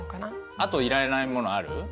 あといらないものある？